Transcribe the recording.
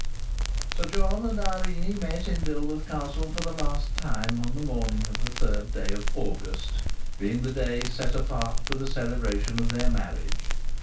Sir John and Irene met in Dilworth Castle for the last time on the morning of the third day of August, being the day set apart for the celebration of their marriage.